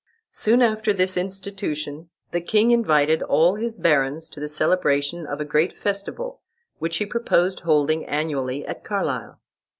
Soon after this institution, the king invited all his barons to the celebration of a great festival, which he proposed holding annually at Carlisle.